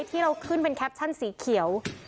ที่เราขึ้นเป็นแคปชั่นสีเขียว